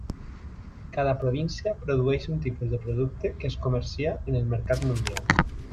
Cada província produeix un tipus de producte que es comercia en el mercat mundial.